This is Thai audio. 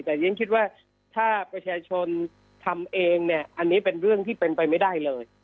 แต่ฉันคิดว่าถ้าประชาชนทำเองเนี่ยอันนี้เป็นเรื่องที่เป็นไปไม่ได้เลย